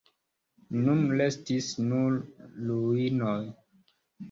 Nun restis nur ruinoj.